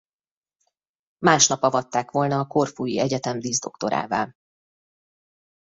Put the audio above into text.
Másnap avatták volna a korfui egyetem díszdoktorává.